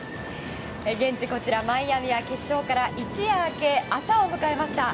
現地マイアミは決勝から一夜明け朝を迎えました。